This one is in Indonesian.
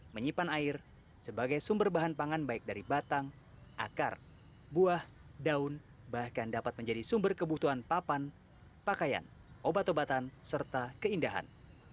menyimpan air sebagai sumber bahan pangan baik dari batang akar buah daun bahkan dapat menjadi sumber kebutuhan papan pakaian obat obatan serta keindahan